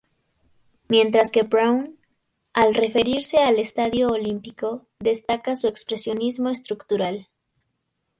Mientras que Brown, al referirse al Estadio Olímpico, destaca su expresionismo estructural.